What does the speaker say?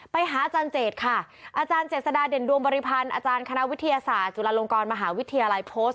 อาจารย์เจตค่ะอาจารย์เจษฎาเด่นดวงบริพันธ์อาจารย์คณะวิทยาศาสตร์จุฬาลงกรมหาวิทยาลัยโพสต์